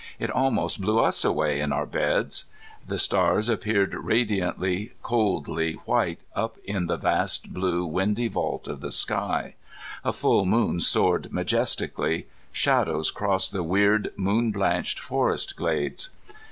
It almost blew us away in our beds. The stars appeared radiantly coldly white up in the vast blue windy vault of the sky. A full moon soared majestically. Shadows crossed the weird moon blanched forest glades.